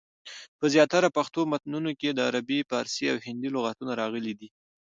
په زیاترو پښتو متونو کي دعربي، پاړسي، او هندي لغتونه راغلي دي.